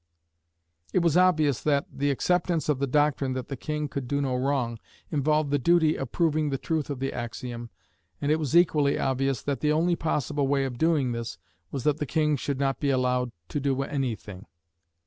It was obvious that the acceptance of the doctrine that the king could do no wrong involved the duty of proving the truth of the axiom, and it was equally obvious that the only possible way of doing this was that the king should not be allowed to do anything.